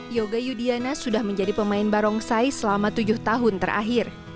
yoga yudiana sudah menjadi pemain barongsai selama tujuh tahun terakhir